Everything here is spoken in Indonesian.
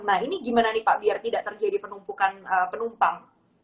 nah ini gimana nih pak biar tidak terjadi penumpukan penumpang